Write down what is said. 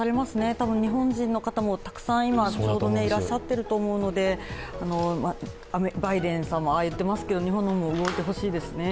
多分、日本人の方もたくさん今、ちょうどいらっしゃっていると思うので、バイデンさんもああ言っていますけれども日本も動いてほしいですね。